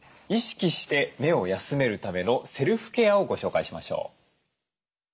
意識して目を休めるためのセルフケアをご紹介しましょう。